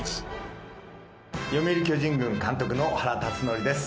読売巨人軍監督の原辰徳です。